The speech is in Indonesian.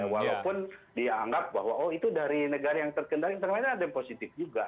walaupun dianggap bahwa oh itu dari negara yang terkendali internasional ada yang positif juga